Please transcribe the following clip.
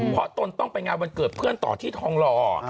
เพราะตนต้องไปงานวันเกิดเพื่อนต่อที่ทองหล่อ